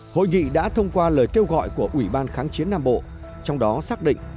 hội nghị đã thông qua lời kêu gọi của ủy ban kháng chiến nam bộ trong đó xác định